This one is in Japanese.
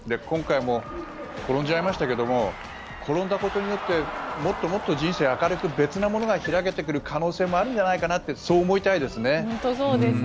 今回も転んじゃいましたけども転んだことによってもっともっと人生明るく別なものが開けてくる可能性もあるんじゃないかなってそう思いたいですね。